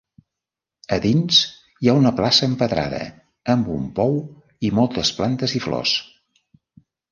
A dins hi ha una plaça empedrada amb un pou i moltes plantes i flors.